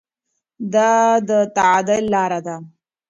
دا د تعادل لاره ده.